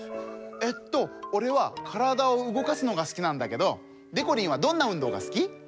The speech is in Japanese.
えっとおれはからだをうごかすのがすきなんだけどでこりんはどんなうんどうがすき？